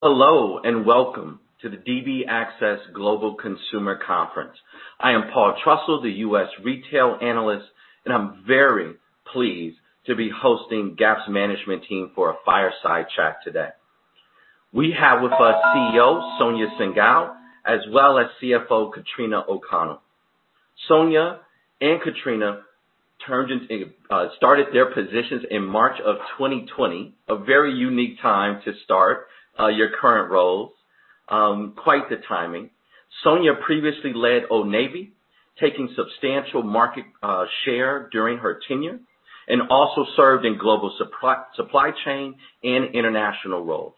Hello, welcome to the dbAccess Global Consumer Conference. I am Paul Trussell, the U.S. retail analyst, and I'm very pleased to be hosting Gap's management team for a fireside chat today. We have with us CEO Sonia Syngal, as well as CFO Katrina O'Connell. Sonia and Katrina started their positions in March of 2020, a very unique time to start your current roles. Quite the timing. Sonia previously led Old Navy, taking substantial market share during her tenure, and also served in global supply chain and international roles.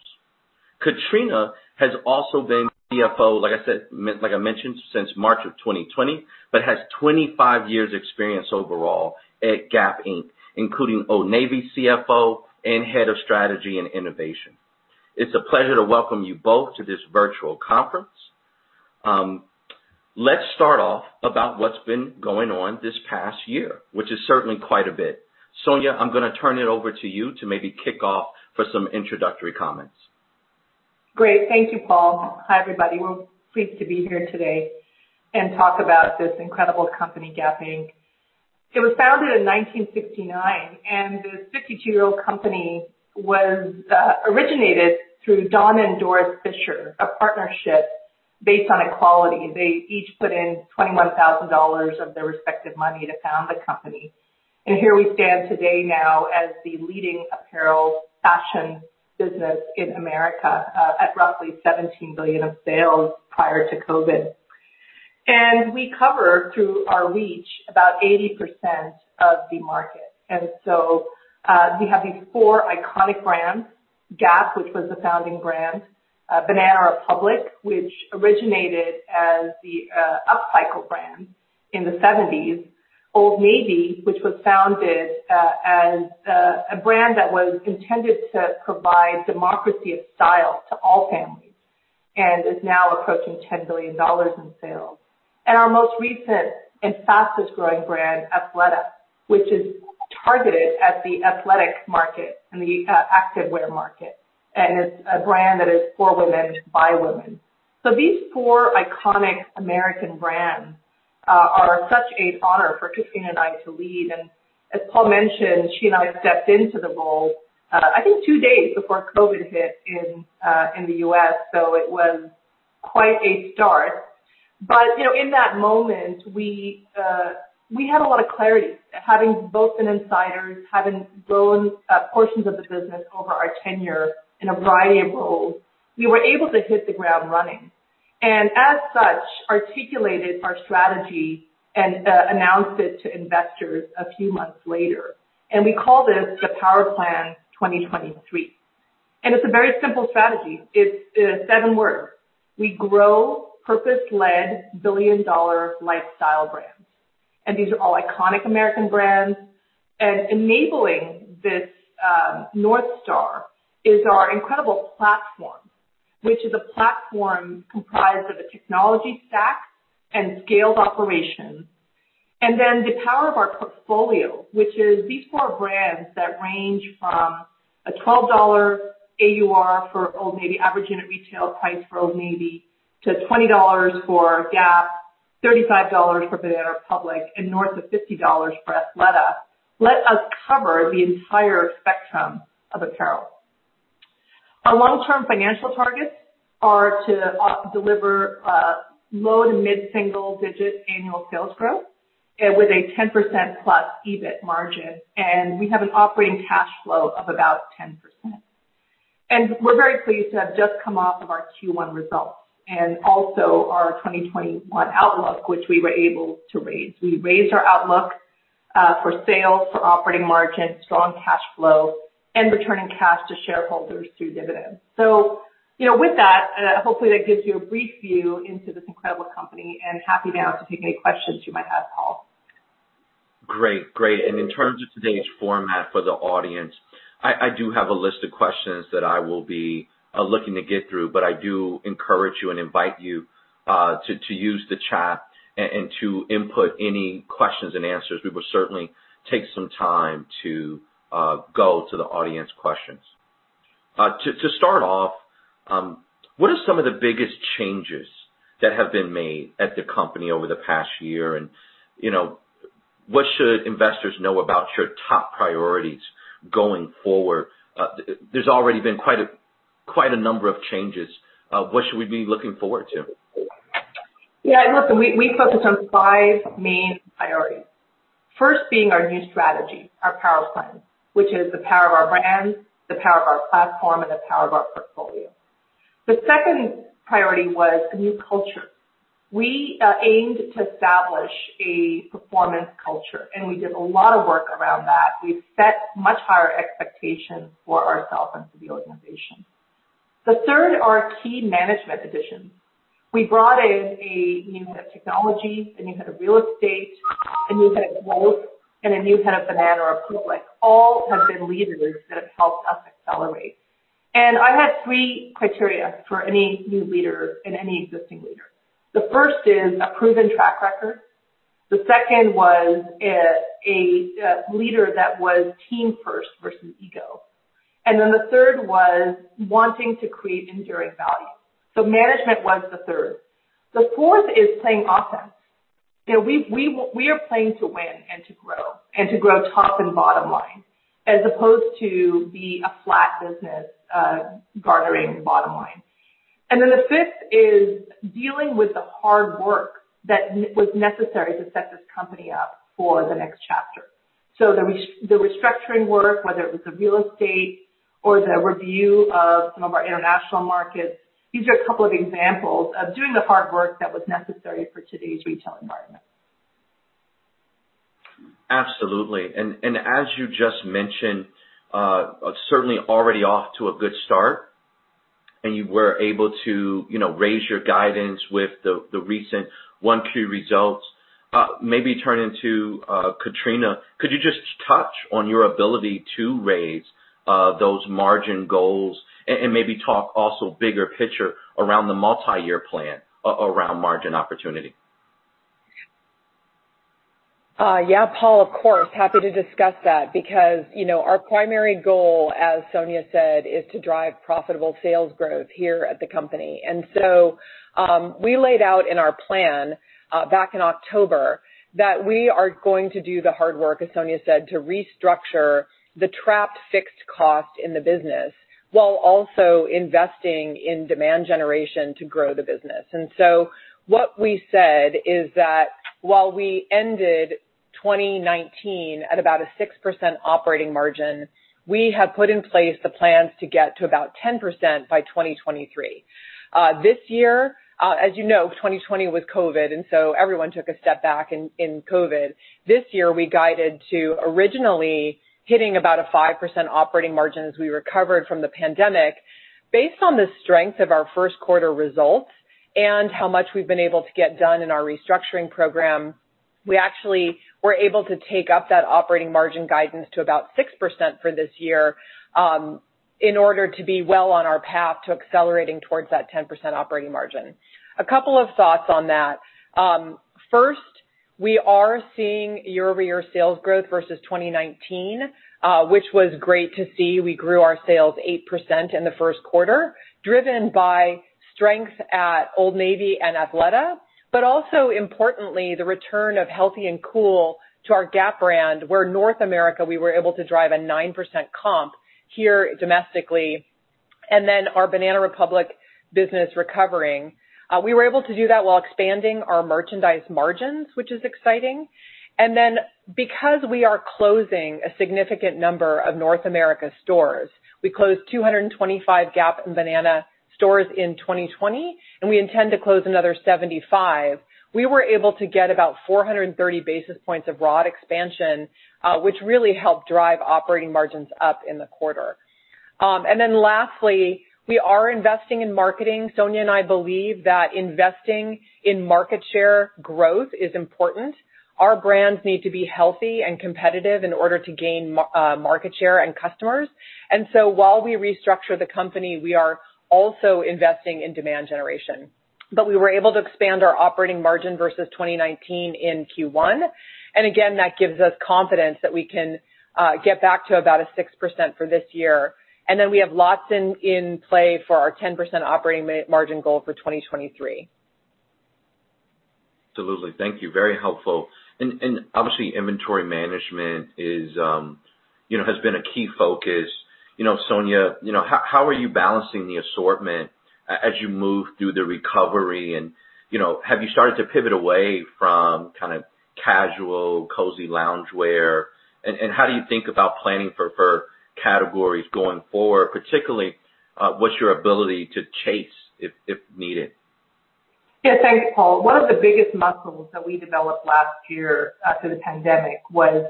Katrina has also been CFO, like I mentioned, since March of 2020, but has 25 years experience overall at Gap Inc., including Old Navy CFO and Head of Strategy and Innovation. It's a pleasure to welcome you both to this virtual conference. Let's start off about what's been going on this past year, which is certainly quite a bit. Sonia, I'm going to turn it over to you to maybe kick off for some introductory comments. Great. Thank you, Paul. Hi, everybody. We're pleased to be here today and talk about this incredible company, Gap Inc. It was founded in 1969. The 52-year-old company was originated through Don and Doris Fisher, a partnership based on equality. They each put in $21,000 of their respective money to found the company. Here we stand today now as the leading apparel fashion business in America at roughly $17 billion of sales prior to COVID. We cover, through our reach, about 80% of the market. We have these four iconic brands, Gap, which was the founding brand, Banana Republic, which originated as the upcycle brand in the 1970s, Old Navy, which was founded as a brand that was intended to provide democracy of style to all families, and is now approaching $10 billion in sales. Our most recent and fastest growing brand, Athleta, which is targeted at the athletics market and the activewear market, and it's a brand that is for women, by women. These four iconic American brands are such a honor for Katrina and I to lead, and as Paul mentioned, she and I stepped into the role, I think two days before COVID hit in the U.S., it was quite a start. In that moment, we had a lot of clarity. Having both been insiders, having grown portions of the business over our tenure in a variety of roles, we were able to hit the ground running. As such, articulated our strategy and announced it to investors a few months later. We call this the Power Plan 2023. It's a very simple strategy. It's seven words. We grow purpose-led billion-dollar lifestyle brands. These are all iconic American brands. Enabling this North Star is our incredible platform, which is a platform comprised of a technology stack and scaled operations. The power of our portfolio, which is these four brands that range from a $12 AUR for Old Navy, Average Unit Retail price for Old Navy, to $20 for Gap, $35 for Banana Republic, and north of $50 for Athleta, let us cover the entire spectrum of apparel. Our long-term financial targets are to deliver low to mid-single digit annual sales growth and with a 10%+ EBIT margin, and we have an operating cash flow of about 10%. We're very pleased to have just come off of our Q1 results and also our 2021 outlook, which we were able to raise. We raised our outlook for sales, for operating margins, strong cash flow, and returning cash to shareholders through dividends. With that, hopefully that gives you a brief view into this incredible company, and happy now to take any questions you might have, Paul. Great. In terms of today's format for the audience, I do have a list of questions that I will be looking to get through, but I do encourage you and invite you to use the chat and to input any questions and answers. We will certainly take some time to go to the audience questions. To start off, what are some of the biggest changes that have been made at the company over the past year? What should investors know about your top priorities going forward? There's already been quite a number of changes. What should we be looking forward to? Yeah, listen, we focused on five main priorities. First being our new strategy, our Power Plan, which is the power of our brands, the power of our platform, and the power of our portfolio. The second priority was a new culture. We aimed to establish a performance culture. We did a lot of work around that. We set much higher expectations for ourselves and for the organization. The third are key management positions. We brought in a new head of technology, a new head of real estate, a new head of growth, and a new head of Banana Republic. All have been leaders that helped us accelerate. I have three criteria for any new leader and any existing leader. The first is a proven track record. The second was a leader that was team first versus ego. The third was wanting to create enduring value. Management was the third. The fourth is playing offense. We are playing to win and to grow, and to grow top and bottom line, as opposed to be a flat business, garnering bottom line. The fifth is dealing with the hard work that was necessary to set this company up for the next chapter. The restructuring work, whether it was the real estate or the review of some of our international markets. These are a couple of examples of doing the hard work that was necessary for today's retail environment. Absolutely. As you just mentioned, certainly already off to a good start, and you were able to raise your guidance with the recent Q1 results. Maybe turning to Katrina, could you just touch on your ability to raise those margin goals and maybe talk also bigger picture around the multi-year plan around margin opportunity? Yeah, Paul, of course, happy to discuss that because our primary goal, as Sonia said, is to drive profitable sales growth here at the company. We laid out in our plan back in October that we are going to do the hard work, as Sonia said, to restructure the trapped fixed cost in the business, while also investing in demand generation to grow the business. What we said is that while we ended 2019 at about a 6% operating margin, we have put in place the plans to get to about 10% by 2023. This year, as you know, 2020 with COVID, everyone took a step back in COVID. This year, we guided to originally hitting about a 5% operating margin as we recovered from the pandemic. Based on the strength of our first quarter results and how much we've been able to get done in our restructuring program, we actually were able to take up that operating margin guidance to about 6% for this year in order to be well on our path to accelerating towards that 10% operating margin. A couple of thoughts on that. First, we are seeing year-over-year sales growth versus 2019, which was great to see. We grew our sales 8% in the first quarter, driven by strength at Old Navy and Athleta, but also importantly, the return of Healthy and Cool to our Gap brand, where North America, we were able to drive a 9% comp here domestically, and then our Banana Republic business recovering. We were able to do that while expanding our merchandise margins, which is exciting. Because we are closing a significant number of North America stores, we closed 225 Gap and Banana stores in 2020, and we intend to close another 75. We were able to get about 430 basis points of raw expansion, which really helped drive operating margins up in the quarter. Lastly, we are investing in marketing. Sonia and I believe that investing in market share growth is important. Our brands need to be healthy and competitive in order to gain market share and customers. While we restructure the company, we are also investing in demand generation. We were able to expand our operating margin versus 2019 in Q1. Again, that gives us confidence that we can get back to about a 6% for this year. We have lots in play for our 10% operating margin goal for 2023. Absolutely. Thank you. Very helpful. Obviously, inventory management has been a key focus. Sonia, how are you balancing the assortment as you move through the recovery, and have you started to pivot away from casual, cozy loungewear? How do you think about planning for categories going forward? Particularly, what's your ability to chase if needed? Yeah, thanks, Paul. One of the biggest muscles that we developed last year through the pandemic was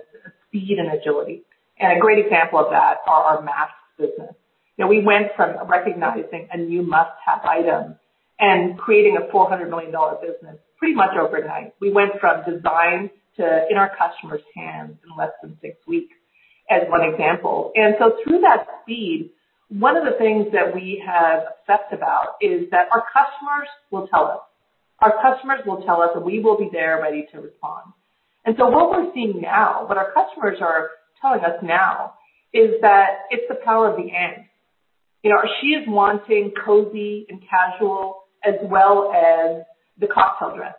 speed and agility. A great example of that is our mask business. We went from recognizing a new must-have item and creating a $400 million business pretty much overnight. We went from design to in our customers' hands in less than six weeks as one example. Through that speed, one of the things that we have obsessed about is that our customers will tell us. Our customers will tell us, and we will be there ready to respond. What we're seeing now, what our customers are telling us now is that it's the power of the and. She is wanting cozy and casual as well as the confidence.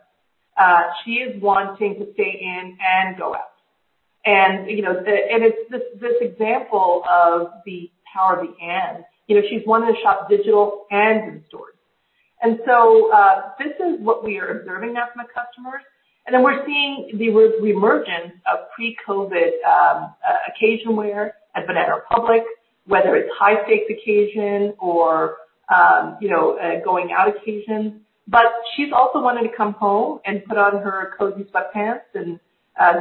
She is wanting to stay in and go out. It's this example of the power of the and. She's wanting to shop digital and in stores. This is what we are observing out from the customers, and we're seeing the emergence of pre-COVID occasion wear at Banana Republic, whether it's high stakes occasion or going out occasions. She's also wanting to come home and put on her cozy sweatpants and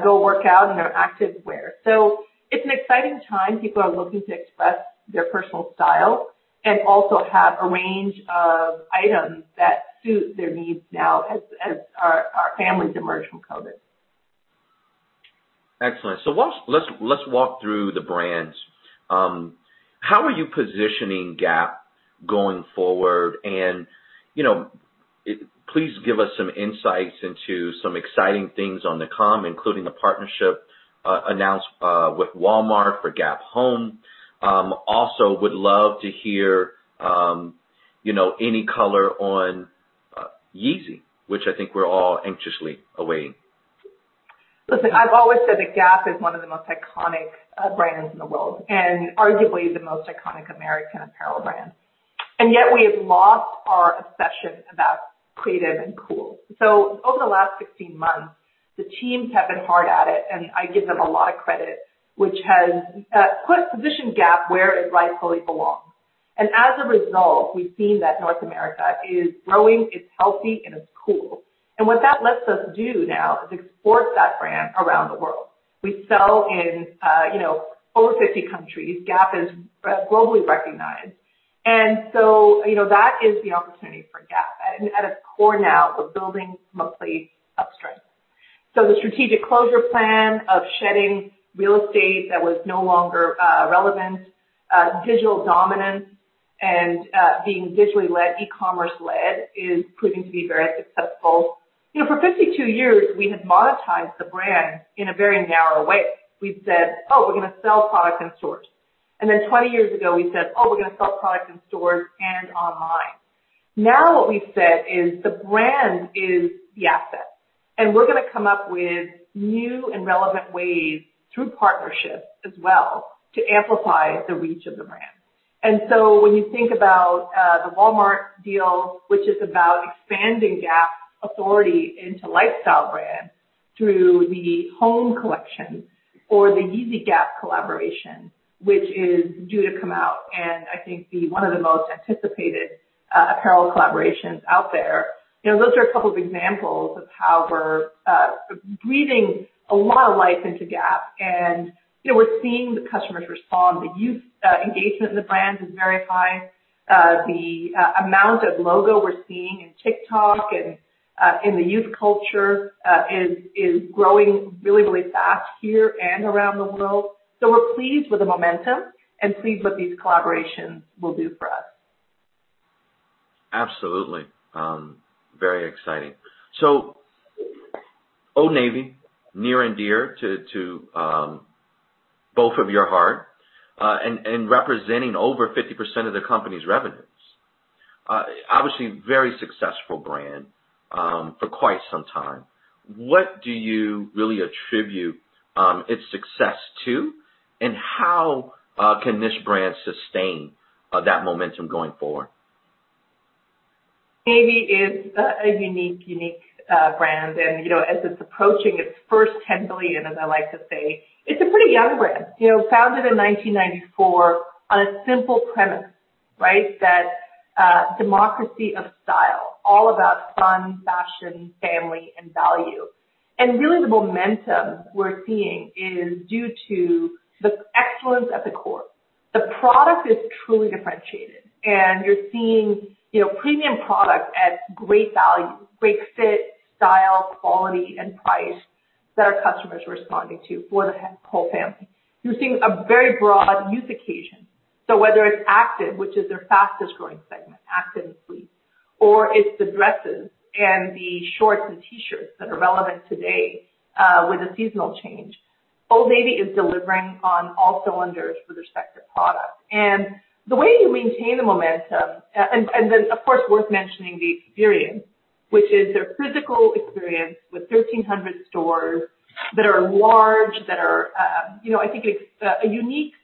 go work out in her active wear. It's an exciting time. People are looking to express their personal style and also have a range of items that suit their needs now as our families emerge from COVID. Excellent. Let's walk through the brands. How are you positioning Gap going forward? Please give us some insights into some exciting things on the comm, including a partnership announced with Walmart for Gap Home. Also would love to hear any color on Yeezy, which I think we're all anxiously awaiting. Listen, I've always said that Gap is one of the most iconic brands in the world and arguably the most iconic American apparel brand. Yet we had lost our obsession about creative and cool. Over the last 15 months, the team's been hard at it, and I give them a lot of credit, which has put position Gap where it rightfully belongs. As a result, we've seen that North America is growing, it's healthy, and it's cool. What that lets us do now is export that brand around the world. We sell in over 50 countries. Gap is globally recognized. That is the opportunity for Gap. At its core now, we're building from a place of strength. The strategic closure plan of shedding real estate that was no longer relevant, digital dominance, and being digitally led, e-commerce led, is proving to be very successful. For 52 years, we had monetized the brand in a very narrow way. We said, "Oh, we're going to sell products in stores." 20 years ago, we said, "Oh, we're going to sell products in stores and online." Now what we've said is the brand is the asset, and we're going to come up with new and relevant ways through partnerships as well to amplify the reach of the brand. When you think about the Walmart deal, which is about expanding Gap's authority into lifestyle brands through the home collection or the Yeezy Gap collaboration, which is due to come out, and I think be one of the most anticipated apparel collaborations out there. Those are a couple of examples of how we're breathing a lot of life into Gap. We're seeing the customers respond. The youth engagement in the brand is very high. The amount of logo we're seeing in TikTok and in the youth culture is growing really fast here and around the world. We're pleased with the momentum and pleased what these collaborations will do for us. Absolutely. Very exciting. Old Navy, near and dear to both of your heart, representing over 50% of the company's revenues. Obviously, a very successful brand for quite some time. What do you really attribute its success to, and how can this brand sustain that momentum going forward? Old Navy is a unique brand, and as it's approaching its first $10 billion, as I like to say, it's a pretty young brand. Founded in 1994 on a simple premise, that democracy of style, all about fun, fashion, family, and value. Really the momentum we're seeing is due to the excellence at the core. The product is truly differentiated, and you're seeing premium product at great value, great fit, style, quality, and price that our customer is responding to for the whole family. You're seeing a very broad use occasion. Whether it's active, which is their fastest-growing segment, active and sleep, or it's the dresses and the shorts and T-shirts that are relevant today with a seasonal change, Old Navy is delivering on all cylinders for their respective product. The way you maintain the momentum, then of course, worth mentioning the experience, which is a physical experience with 1,300 stores that are large, I think it's a unique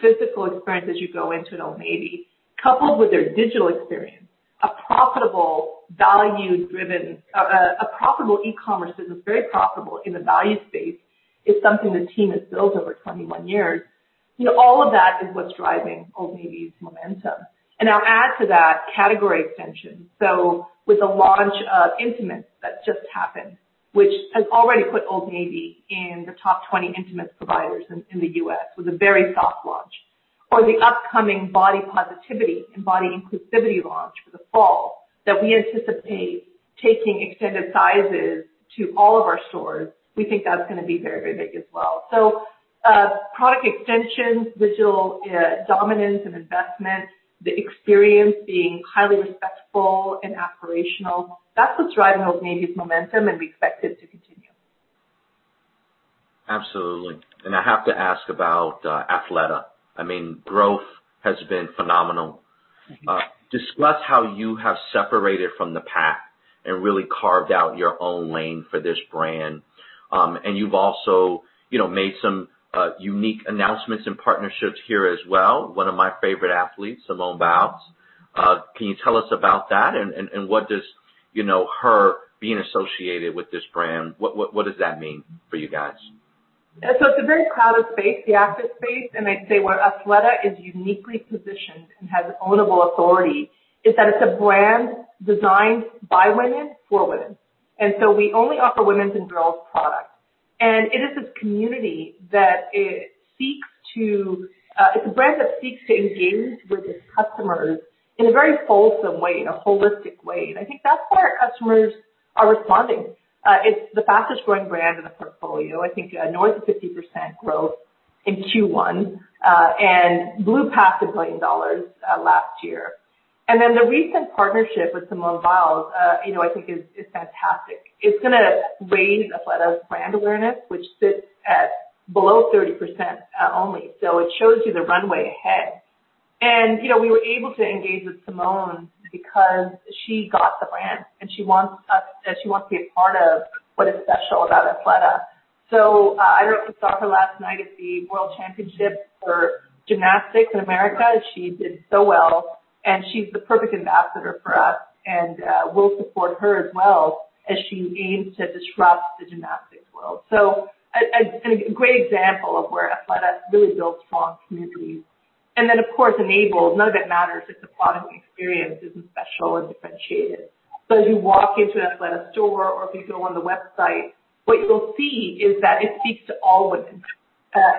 physical experience as you go into an Old Navy, coupled with their digital experience. A profitable e-commerce that is very profitable in the value space is something the team has built over 21 years. All of that is what's driving Old Navy's momentum. Now add to that category extension. With the launch of intimates that just happened, which has already put Old Navy in the top 20 intimates providers in the U.S. with a very soft launch. The upcoming body positivity and body inclusivity launch for the fall that we anticipate taking extended sizes to all of our stores, we think that's going to be very big as well. Product extensions, digital dominance and investment, the experience being highly successful and aspirational, that's what's driving Old Navy's momentum, and we expect it to continue. Absolutely. I have to ask about Athleta. I mean, growth has been phenomenal. Thank you. Discuss how you have separated from the pack and really carved out your own lane for this brand. You've also made some unique announcements and partnerships here as well. One of my favorite athletes, Simone Biles. Can you tell us about that and what does her being associated with this brand, what does that mean for you guys? It's a very crowded space, the active space. I'd say where Athleta is uniquely positioned and has ownable authority is that it's a brand designed by women for women. We only offer women's and girls' products. It is a community that it seeks to. A brand that seeks to engage with its customers in a very wholesome way, in a holistic way. I think that's where customers are responding. It's the fastest-growing brand in the portfolio. I think north of 50% growth in Q1, and blew past $1 billion last year. The recent partnership with Simone Biles, I think is fantastic. It's going to raise Athleta's brand awareness, which sits at below 30% only. It shows you the runway ahead. We were able to engage with Simone because she got the brand, and she wants to be a part of what is special about Athleta. I know if you saw her last night at the World Championships for gymnastics in America, she did so well, and she's the perfect ambassador for us. We'll support her as well as she aims to disrupt the gymnastics world. A great example of where Athleta has really built strong communities. Of course, enabled no matter the product experience is special or differentiated. If you walk into an Athleta store or if you go on the website, what you'll see is that it speaks to all women.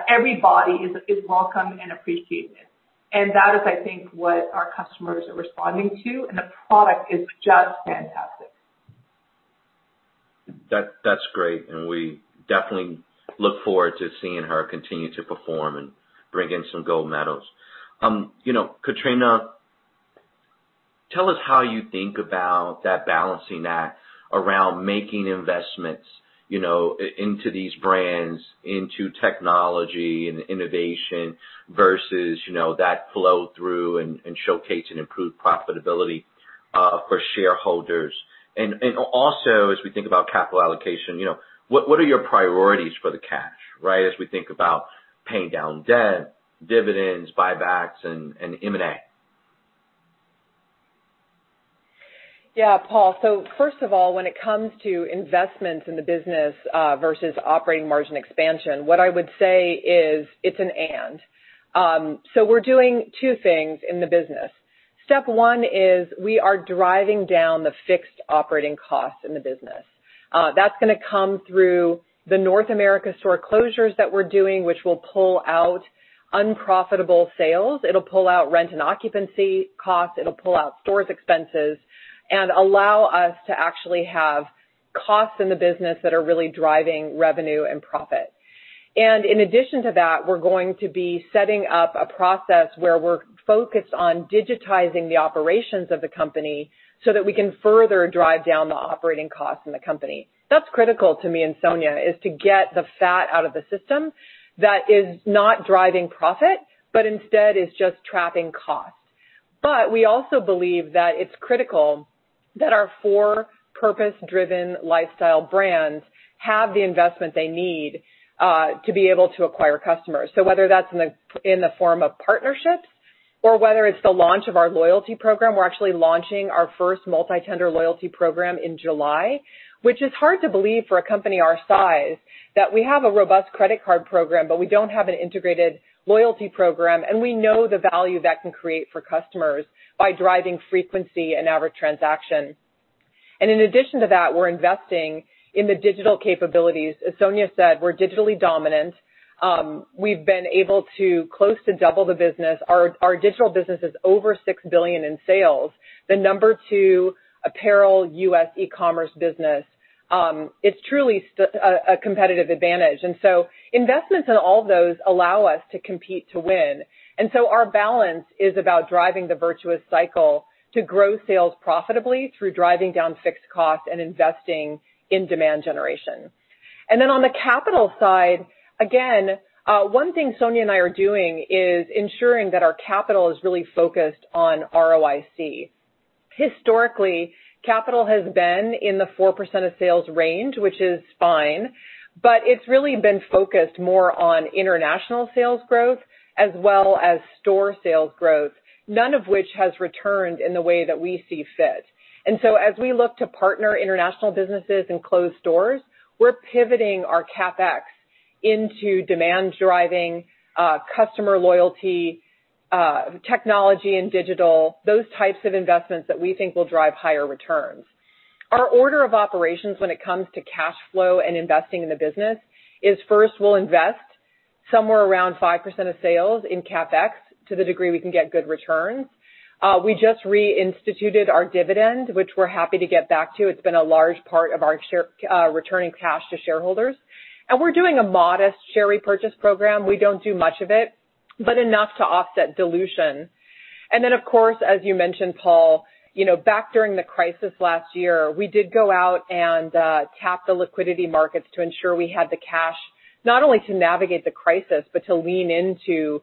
Every body is welcoming and appreciated. That is, I think, what our customers are responding to, and the product is just fantastic. That's great, and we definitely look forward to seeing her continue to perform and bring in some gold medals. Katrina, tell us how you think about that balancing act around making investments into these brands, into technology and innovation versus that flow-through and showcase and improve profitability for shareholders. Also, as we think about capital allocation, what are your priorities for the cash? As we think about paying down debt, dividends, buybacks, and M&A. Yeah, Paul. First of all, when it comes to investments in the business versus operating margin expansion, what I would say is it's an and. We're doing two things in the business. Step one is we are driving down the fixed operating costs in the business. That's going to come through the North America store closures that we're doing, which will pull out unprofitable sales. It'll pull out rent and occupancy costs. It'll pull out store expenses and allow us to actually have costs in the business that are really driving revenue and profit. In addition to that, we're going to be setting up a process where we're focused on digitizing the operations of the company so that we can further drive down the operating costs in the company. That's critical to me and Sonia, is to get the fat out of the system that is not driving profit, but instead is just trapping costs. We also believe that it's critical that our four purpose-driven lifestyle brands have the investment they need to be able to acquire customers. Whether that's in the form of partnerships or whether it's the launch of our loyalty program, we're actually launching our first multi-tender loyalty program in July. Which is hard to believe for a company our size that we have a robust credit card program, but we don't have an integrated loyalty program, and we know the value that can create for customers by driving frequency and average transaction. In addition to that, we're investing in the digital capabilities. As Sonia said, we're digitally dominant. We've been able to close to double the business. Our digital business is over $6 billion in sales, the number two apparel U.S. e-commerce business. It's truly a competitive advantage. Investments in all those allow us to compete to win. Our balance is about driving the virtuous cycle to grow sales profitably through driving down fixed costs and investing in demand generation. On the capital side, again, one thing Sonia and I are doing is ensuring that our capital is really focused on ROIC. Historically, capital has been in the 4% of sales range, which is fine, but it's really been focused more on international sales growth as well as store sales growth, none of which has returned in the way that we see fit. As we look to partner international businesses and close stores, we're pivoting our CapEx into demand-driving customer loyalty, technology, and digital, those types of investments that we think will drive higher returns. Our order of operations when it comes to cash flow and investing in the business is first we'll invest somewhere around 5% of sales in CapEx to the degree we can get good returns. We just reinstituted our dividends, which we're happy to get back to. It's been a large part of our returning cash to shareholders. We're doing a modest share repurchase program. We don't do much of it, but enough to offset dilution. Of course, as you mentioned, Paul, back during the crisis last year, we did go out and tap the liquidity markets to ensure we had the cash not only to navigate the crisis but to lean into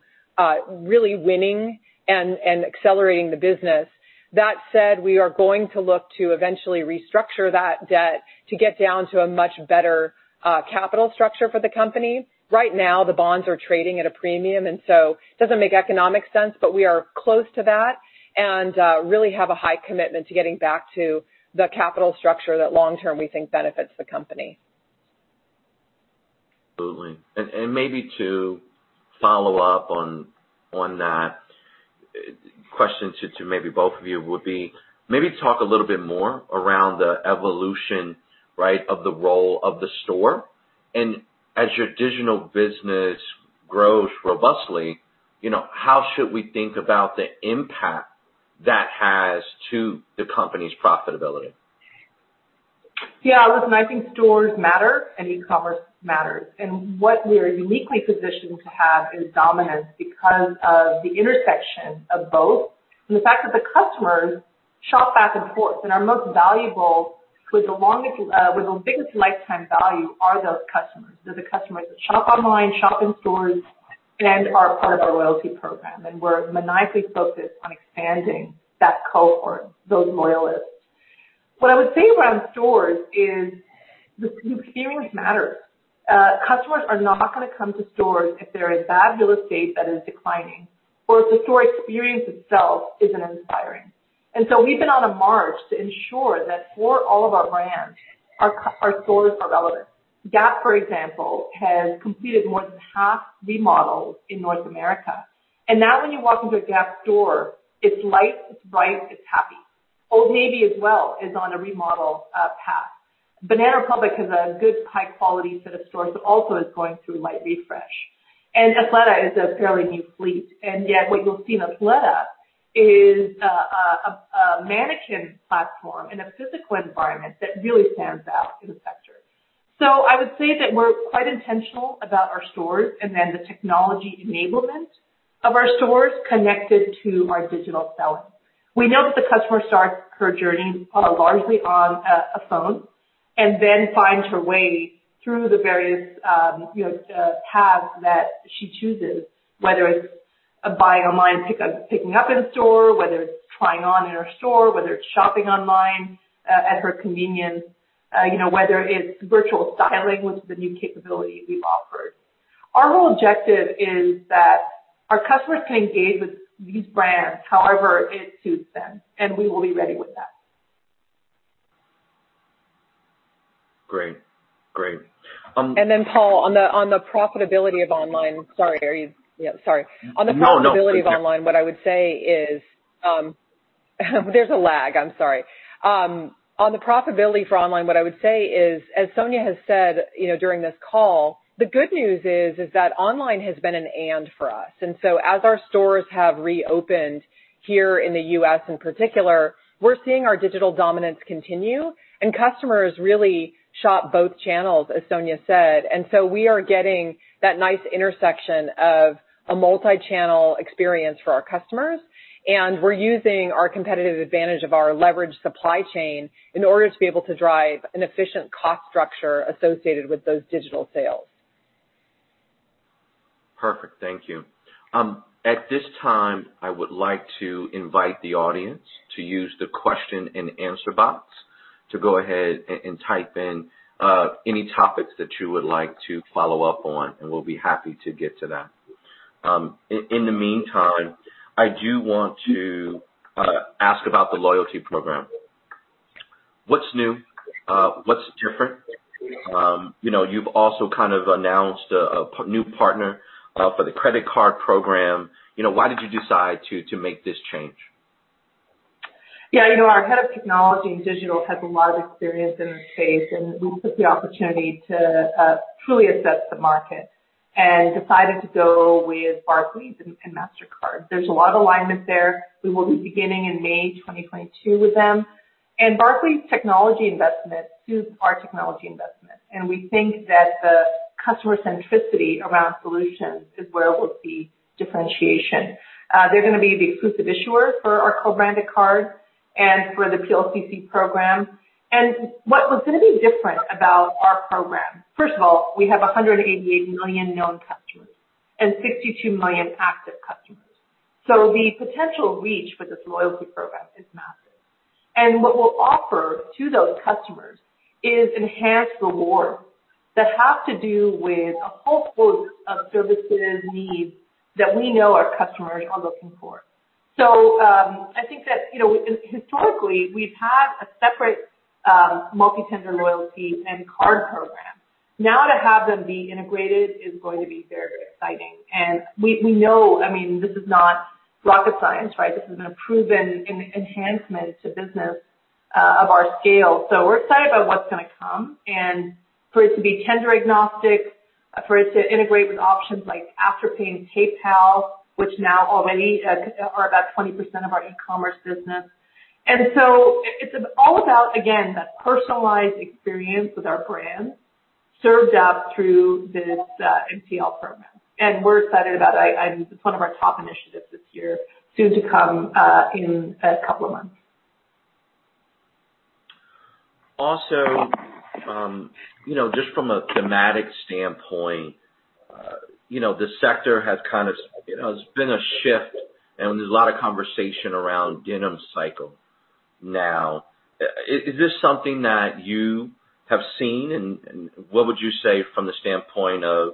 really winning and accelerating the business. That said, we are going to look to eventually restructure that debt to get down to a much better capital structure for the company. Right now, the bonds are trading at a premium, and so it doesn't make economic sense, but we are close to that and really have a high commitment to getting back to the capital structure that long-term we think benefits the company. Absolutely. Maybe to follow up on that of you would be maybe talk a little bit more around the evolution of the role of the store. As your digital business grows robustly, how should we think about the impact that has to the company's profitability? Look, I think stores matter and e-commerce matters. What we are uniquely positioned to have is dominance because of the intersection of both, and the fact that the customers shop back and forth, and are most valuable with the longest, or the biggest lifetime value are those customers. The customers that shop online, shop in stores, and are part of our loyalty program. We're maniacally focused on expanding that cohort, those loyalists. What I would say around stores is, the experience matters. Customers are not going to come to stores if they're in bad real estate that is declining, or if the store experience itself isn't inspiring. We've been on a march to ensure that for all of our brands, our stores are relevant. Gap, for example, has completed more than half remodels in North America. Now when you walk into a Gap store, it's light, it's bright, it's happy. Old Navy as well is on a remodel path. Banana Republic is a good high-quality set of stores, but also is going through a light refresh. Athleta is a fairly new fleet. Yet what you'll see in Athleta is a mannequin platform in a physical environment that really stands out in the sector. I would say that we're quite intentional about our stores and the technology enablement of our stores connected to our digital self. We know that the customer starts her journey largely on a phone, and then finds her way through the various paths that she chooses, whether it's buying online, picking up in store, whether it's trying on in our store, whether it's shopping online at her convenience, whether it's virtual styling, which is a new capability we've offered. Our whole objective is that our customers can engage with these brands however it suits them, and we will be ready with that. Great. Paul, on the profitability of online. Sorry. No, it's okay. On the profitability of online, what I would say is. There's a lag. On the profitability for online, what I would say is that, as Sonia has said during this call, the good news is that online has been an and for us. As our stores have reopened here in the U.S. in particular, we're seeing our digital dominance continue, and customers really shop both channels, as Sonia said. We are getting that nice intersection of a multi-channel experience for our customers, and we're using our competitive advantage of our leveraged supply chain in order to be able to drive an efficient cost structure associated with those digital sales. Perfect. Thank you. At this time, I would like to invite the audience to use the question and answer box to go ahead and type in any topics that you would like to follow up on, and we'll be happy to get to that. In the meantime, I do want to ask about the loyalty program. What's new? What's different? You've also kind of announced a new partner for the credit card program. Why did you decide to make this change? Yeah. Our head of technology and digital has a lot of experience in the space, we took the opportunity to truly assess the market and decided to go with Barclays and Mastercard. There's a lot of alignment there. We will be beginning in May 2022 with them. Barclays technology investments suit our technology investments, and we think that the customer centricity around solutions is where we'll see differentiation. They're going to be the exclusive issuer for our co-branded cards and for the PLCC program. What was going to be different about our program, first of all, we have 188 million known customers and 62 million active customers. The potential reach for this loyalty program is massive. What we'll offer to those customers is enhanced rewards that have to do with a whole host of services and needs that we know our customers are looking for. I think that historically, we've had a separate multi-tender loyalty and card program. Now to have them be integrated is going to be very exciting. We know, this is not rocket science. This is a proven enhancement to business of our scale. We're excited about what's going to come, and for it to be tender agnostic, for it to integrate with options like Afterpay and PayPal, which now already are about 20% of our e-commerce business. It's all about, again, that personalized experience with our brands served out through this MTL program. We're excited about It's one of our top initiatives this year, soon to come in a couple of months. Just from a thematic standpoint, there's been a shift, and there's a lot of conversation around denim cycle now. Is this something that you have seen, and what would you say from the standpoint of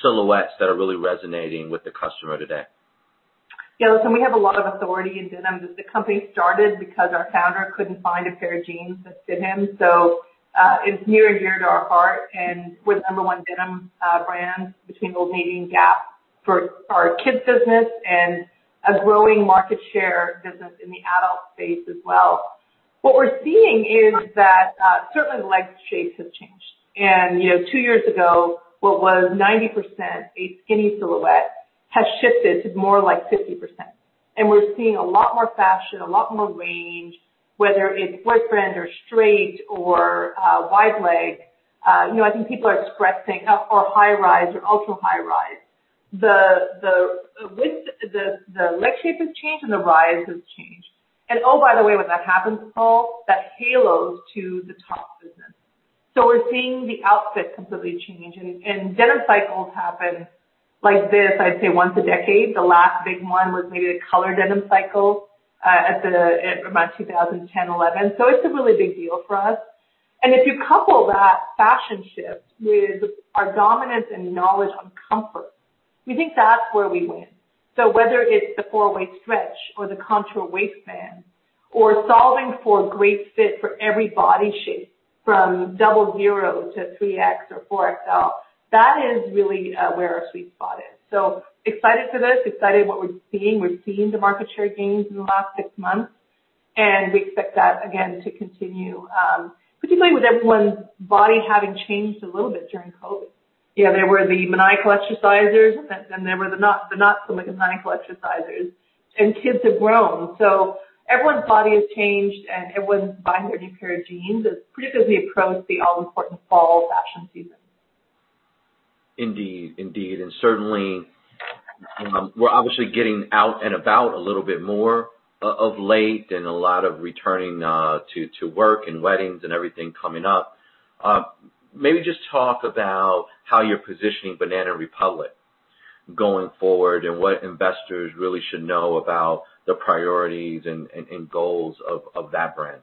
silhouettes that are really resonating with the customer today? We have a lot of authority in denim. The company started because our founder couldn't find a pair of jeans that fit him. It's near and dear to our heart, and we're the number one denim brand between Old Navy and Gap. For our kids business and a growing market share business in the adult space as well. What we're seeing is that certainly leg shapes have changed, and two years ago, what was 90% a skinny silhouette has shifted to more like 50%. We're seeing a lot more fashion, a lot more range, whether it's boyfriend or straight or wide leg. I think people are expressing high rise or ultra-high rise. The leg shape has changed, and the rise has changed. Oh, by the way, when that happens, Paul, that halos to the top business. We're seeing the outfit completely changing, and denim cycles happen like this, I'd say once a decade. The last big one was maybe a colored denim cycle around 2010, 2011. It's a really big deal for us. If you couple that fashion shift with our dominance and knowledge on comfort, we think that's where we win. Whether it's the four-way stretch or the contour waistband or solving for a great fit for every body shape, from double zero to 3X or 4XL, that is really where our sweet spot is. Excited for this, excited what we're seeing. We're seeing the market share gains in the last six months, and we expect that again to continue. Particularly with everyone's body having changed a little bit during COVID. There were the maniacal exercisers, and then there were the not so maniacal exercisers, and kids have grown. Everyone's body has changed, and everyone's buying what they care to. It's critically approached the all-important fall fashion season. Indeed. Certainly, we're obviously getting out and about a little bit more of late and a lot of returning to work and weddings and everything coming up. Maybe just talk about how you're positioning Banana Republic going forward and what investors really should know about the priorities and goals of that brand.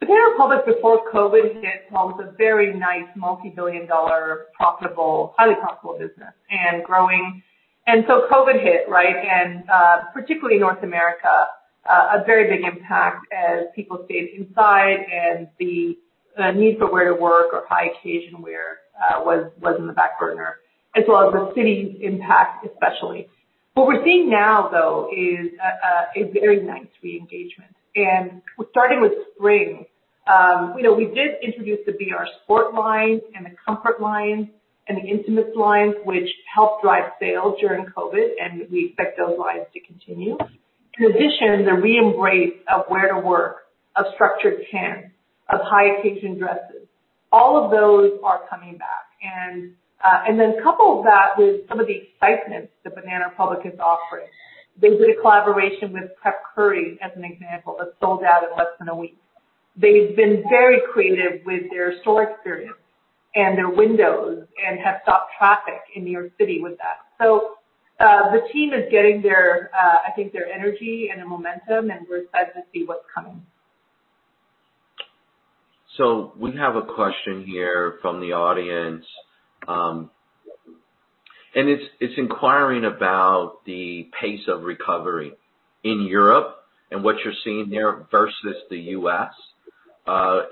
Banana Republic before COVID hit, Paul, was a very nice multi-billion dollar profitable, highly profitable business and growing. COVID hit, right? Particularly in North America, a very big impact as people stayed inside and the need for wear-to-work or high occasion wear was in the back burner, as well as the [skinny] impact especially. What we're seeing now, though, is a very nice re-engagement and starting with spring. We did introduce the BR Sport line and a comfort line and the intimates lines, which helped drive sales during COVID, and we expect those lines to continue. In addition, the re-embrace of wear to work, of structured pants, of high occasion dresses, all of those are coming back. Couple that with some of the excitements that Banana Republic is offering. They did a collaboration with Curry as an example, that sold out in less than a week. They've been very creative with their store experience and their windows and have stopped traffic in New York City with that. The team is getting their energy and momentum, and we're excited to see what's coming. We have a question here from the audience. It's inquiring about the pace of recovery in Europe and what you're seeing there versus the U.S.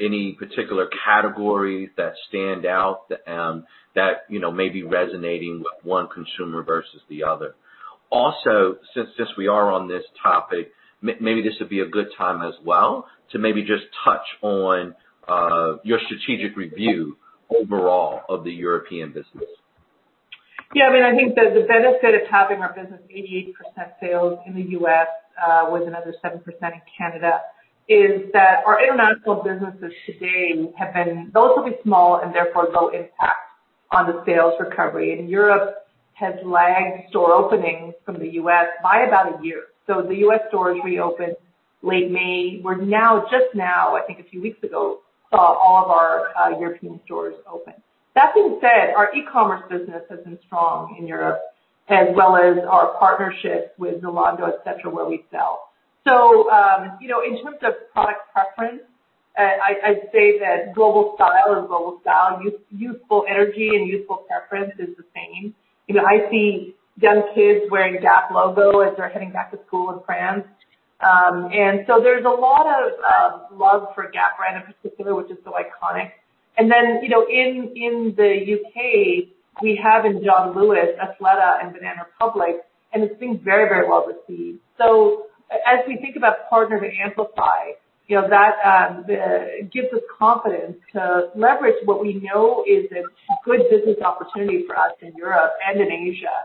Any particular category that stand out that may be resonating with one consumer versus the other? Since we are on this topic, maybe this would be a good time as well to maybe just touch on your strategic review overall of the European business. Yeah. I mean, I think that the benefit of having our business 88% sales in the U.S., with another 7% in Canada, is that our international businesses today have been relatively small and therefore low impact on the sales recovery. Europe has lagged store openings from the U.S. by about a year. The U.S. stores reopened late May. We're now, just now, I think a few weeks ago, saw all of our European stores open. That being said, our e-commerce business has been strong in Europe as well as our partnership with Zalando, et cetera, where we sell. In terms of product preference, I'd say that global style is global style, youthful energy and youthful preference is the same. I see young kids wearing Gap logo as they're heading back to school in France. There's a lot of love for Gap brand in particular, which is so iconic. In the U.K., we have in John Lewis, Athleta and Banana Republic, and it's doing very well with these. As we think about partner to amplify, that gives us confidence to leverage what we know is a good business opportunity for us in Europe and in Asia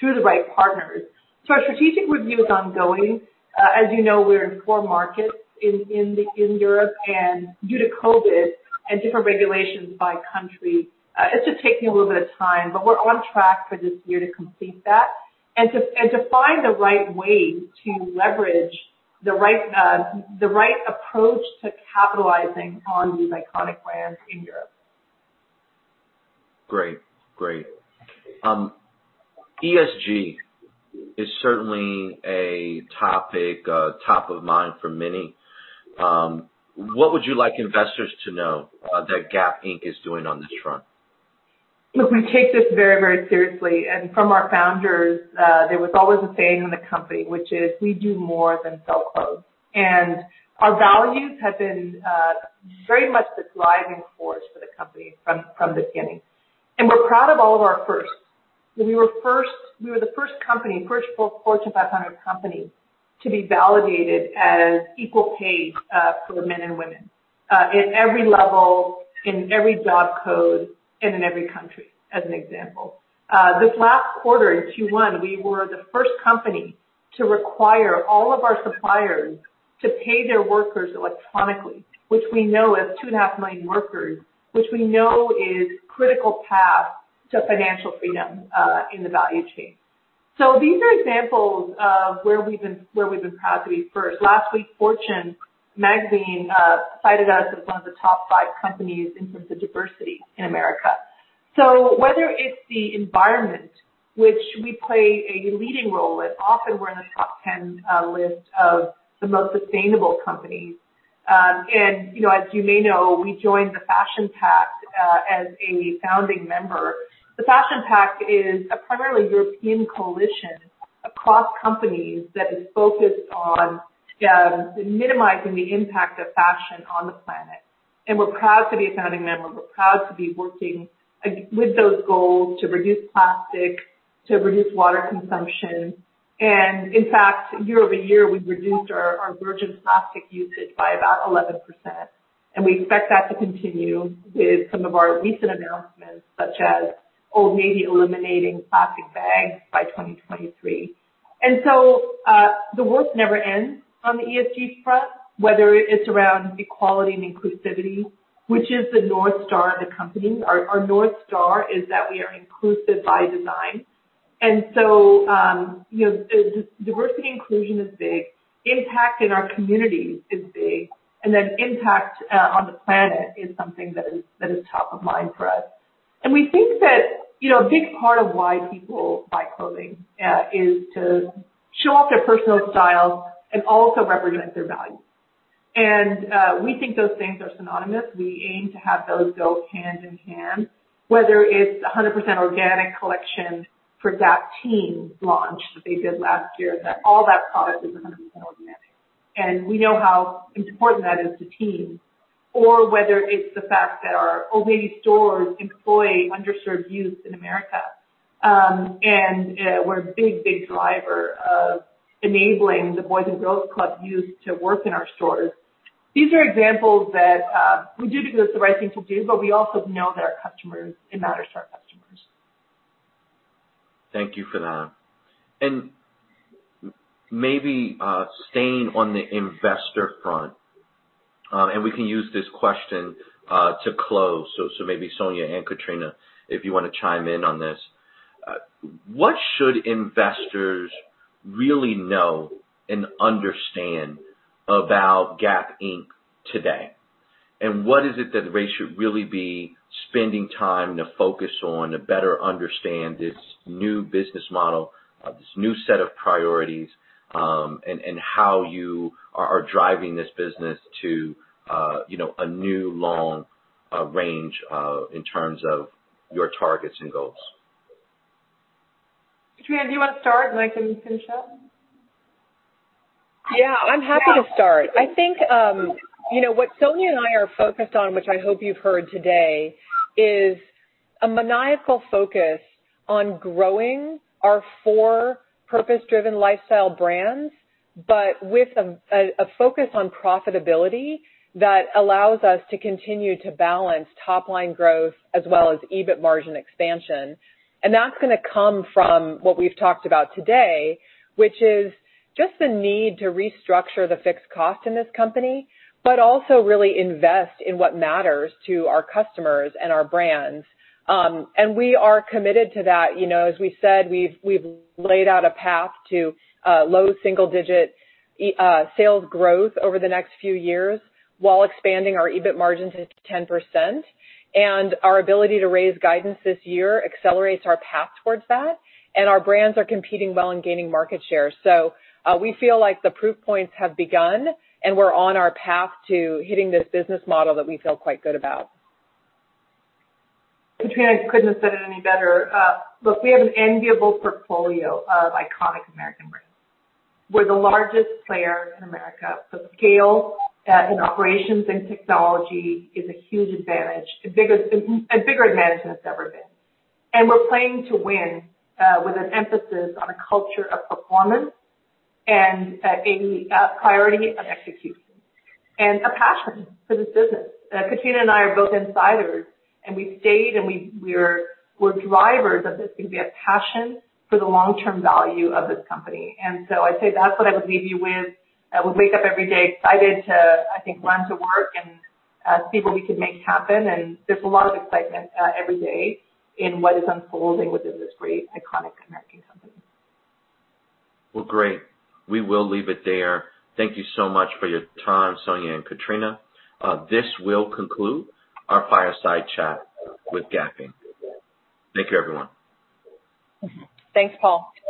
through the right partners. Our strategic review is ongoing. As you know, we're in four markets in Europe, and due to COVID and different regulations by country, it's just taking a little bit of time. We're on track for this year to complete that and to find the right way to leverage the right approach to capitalizing on these iconic brands in Europe. Great. ESG is certainly a topic, top of mind for many. What would you like investors to know that Gap Inc. is doing on this front? We take this very seriously, and from our founders, there was always a saying in the company, which is, we do more than sell clothes. Our values have been very much the driving force for the company from the beginning. We're proud of all of our firsts. We were the first Fortune 500 company to be validated as equal pay for the men and women, in every level, in every job code, and in every country, as an example. This last quarter, in Q1, we were the first company to require all of our suppliers to pay their workers electronically, which we know is 2.5 million workers, which we know is a critical path to financial freedom in the value chain. These are examples of where we've been proud to be first. Fortune" magazine cited us as one of the top five companies in terms of diversity in America. Whether it's the environment, which we play a leading role in, often we're in the top 10 list of the most sustainable companies. As you may know, we joined The Fashion Pact as a founding member. The Fashion Pact is a primarily European coalition across companies that is focused on minimizing the impact of fashion on the planet. We're proud to be a founding member. We're proud to be working with those goals to reduce plastic, to reduce water consumption, and in fact, year-over-year, we reduced our virgin plastic usage by about 11%. We expect that to continue with some of our recent announcements, such as Old Navy eliminating plastic bags by 2023. The work never ends on the ESG front, whether it's around equality and inclusivity, which is the North Star of the company. Our North Star is that we are inclusive by design. Diversity and inclusion is big. Impact in our communities is big. Impact on the planet is something that is top of mind for us. We think that a big part of why people buy clothing is to show off their personal style and also represent their values. We think those things are synonymous. We aim to have those go hand in hand, whether it's the 100% organic collection for Gap Teen's launch that they did last year, that all that product is 100% organic. We know how important that is to teens. Whether it's the fact that our Old Navy stores employ underserved youth in America. We're a big driver of enabling the Boys & Girls Club youth to work in our stores. These are examples that we do because it's the right thing to do, but we also know they matter to our customers. Thank you for that. Maybe staying on the investor front, and we can use this question to close. Maybe Sonia and Katrina, if you want to chime in on this. What should investors really know and understand about Gap Inc. today? What is it that they should really be spending time to focus on to better understand this new business model, this new set of priorities, and how you are driving this business to a new long range in terms of your targets and goals? Katrina, do you want to start, and I can finish up? Yeah, I'm happy to start. I think what Sonia and I are focused on, which I hope you've heard today, is a maniacal focus on growing our four purpose-driven lifestyle brands, but with a focus on profitability that allows us to continue to balance top-line growth as well as EBIT margin expansion. That's going to come from what we've talked about today, which is just the need to restructure the fixed cost in this company, but also really invest in what matters to our customers and our brands. We are committed to that. As we said, we've laid out a path to low single-digit sales growth over the next few years while expanding our EBIT margins to 10%. Our ability to raise guidance this year accelerates our path towards that, and our brands are competing well and gaining market share. We feel like the proof points have begun, and we're on our path to hitting this business model that we feel quite good about. Katrina couldn't have said it any better. Look, we have an enviable portfolio of iconic American brands. We're the largest player in America, scale and operations and technology is a huge advantage and bigger advantage than it's ever been. We're playing to win with an emphasis on a culture of performance and a priority on execution and a passion for this business. Katrina and I are both insiders, we stayed, we're drivers of this thing. We have passion for the long-term value of this company. I'd say that's what I would leave you with. I wake up every day excited to, I think, run to work and see what we can make happen. There's a lot of excitement every day in what is unfolding within this great, iconic American company. Well, great. We will leave it there. Thank you so much for your time, Sonia and Katrina. This will conclude our fireside chat with Gap Inc. Thank you, everyone. Thanks, Paul.